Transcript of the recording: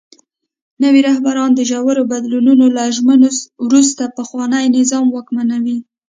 نوي رهبران د ژورو بدلونونو له ژمنو وروسته پخواني نظام واکمنوي.